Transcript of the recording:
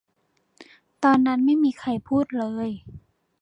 ตอนนั้นไม่มีใครพูดเลย